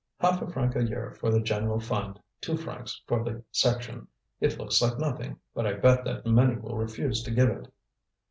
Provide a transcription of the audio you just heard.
"Half a franc a year for the general fund, two francs for the section; it looks like nothing, but I bet that many will refuse to give it."